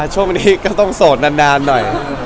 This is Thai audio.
ช่วงนี้ก็ต้องโสดนานหน่อย